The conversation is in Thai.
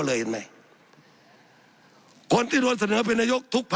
สับขาหลอกกันไปสับขาหลอกกันไป